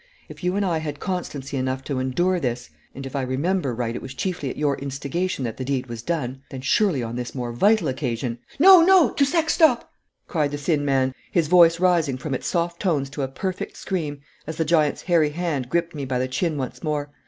If you and I had constancy enough to endure this and if I remember right it was chiefly at your instigation that the deed was done then surely on this more vital occasion ' 'No, no, Toussac, stop!' cried the thin man, his voice rising from its soft tones to a perfect scream as the giant's hairy hand gripped me by the chin once more.